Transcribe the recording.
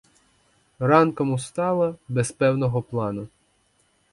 Ранком устала без певного плану.